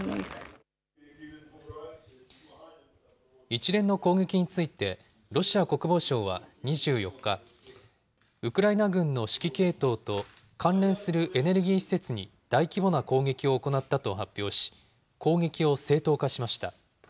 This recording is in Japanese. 一連の攻撃について、ロシア国防省は２４日、ウクライナ軍の指揮系統と関連するエネルギー施設に大規模な攻撃を行ったと発表し、攻撃を正当化しました。